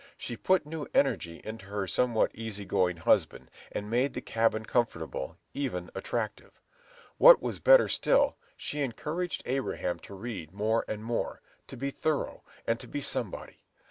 She put new energy into her somewhat easy going husband, and made the cabin comfortable, even attractive. What was better still, she encouraged Abraham to read more and more, to be thorough, and to be somebody.